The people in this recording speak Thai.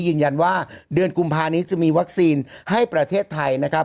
ยืนยันว่าเดือนกุมภานี้จะมีวัคซีนให้ประเทศไทยนะครับ